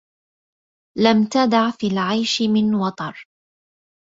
لم تَدع في العيش من وَطَرِ